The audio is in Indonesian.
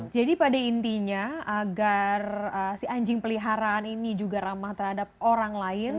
jadi pada intinya agar si anjing peliharaan ini juga ramah terhadap orang lain